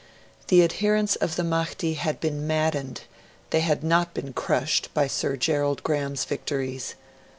The adherents of the Mahdi had been maddened, they had not been crushed, by Sir Gerald Graham's victories.